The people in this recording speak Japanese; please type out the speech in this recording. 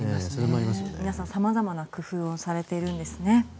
皆さん、様々な工夫をしているんですね。